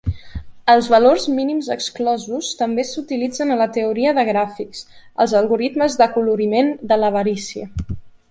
Els valors mínims exclosos també s'utilitzen a la teoria de gràfics, als algoritmes d'acoloriment de l'avarícia.